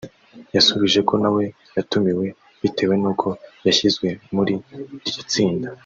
yasubije ko nawe yatumiwe bitewe n’uko yashyizwe muri iryo tsinda